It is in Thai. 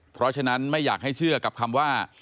เพราะฉะนั้นไม่อยากให้เชื่อกับคำว่า